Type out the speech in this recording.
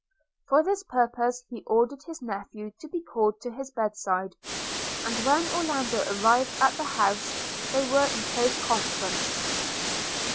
For this purpose he ordered his nephew to be called to his bedside; and when Orlando arrived at the house, they were in close conference.